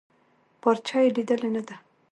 پارچه يې ليدلې نده.